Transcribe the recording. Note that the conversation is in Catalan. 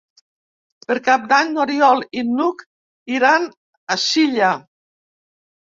Per Cap d'Any n'Oriol i n'Hug iran a Silla.